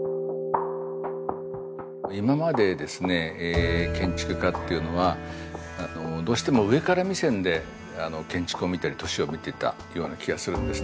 今までですね建築家っていうのはどうしても上から目線で建築を見たり都市を見てたような気がするんですね。